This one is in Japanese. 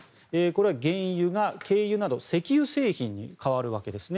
これは原油が軽油など石油製品に変わるわけです。